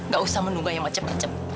gak usah menunggah ya